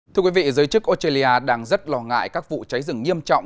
thưa quý vị giới chức australia đang rất lo ngại các vụ cháy rừng nghiêm trọng